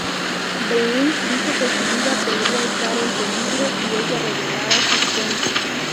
Breen dijo que su vida podría estar en peligro si ella revelara sus fuentes.